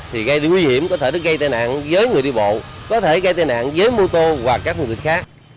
thì gây nguy hiểm có thể gây tai nạn với người đi bộ có thể gây tai nạn với mô tô hoặc các người khác